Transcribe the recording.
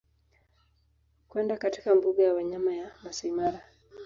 kwenda katika mbuga ya wanyama ya Masaimara